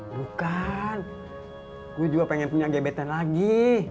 bukan gue juga pengen punya gebetan lagi